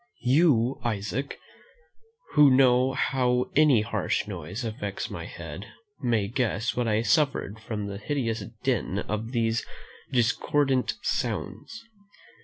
You, Isaac, who know how any harsh noise affects my head, may guess what I suffered from the hideous din of these discordant sounds.